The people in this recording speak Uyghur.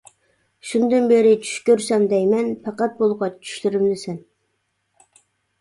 شۇندىن بېرى چۈش كۆرسەم دەيمەن، پەقەت بولغاچ چۈشلىرىمدە سەن.